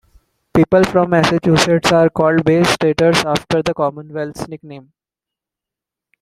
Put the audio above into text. People from Massachusetts are called "Bay Staters" after the Commonwealth's nickname.